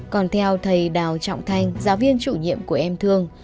còn theo thầy đào trọng thanh giáo viên chủ nhiệm của em thương